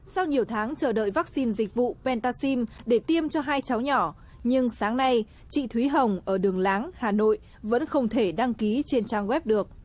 sau nhiều tháng chờ đợi vaccine dịch vụ pentaxim để tiêm cho hai cháu nhỏ nhưng sáng nay chị thúy hồng ở đường láng hà nội vẫn không thể đăng ký trên trang web được